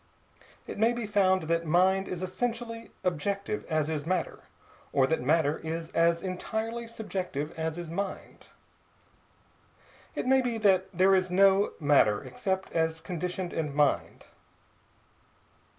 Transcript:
It may be found that mind is essentially objective as is matter, or that matter is as entirely Subjective as is mind. It may be that there is no matter except as conditioned in mind.